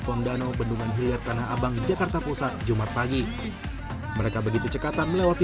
pondano bendungan hilir tanah abang jakarta pusat jumat pagi mereka begitu cekatan melewati